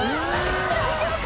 大丈夫か？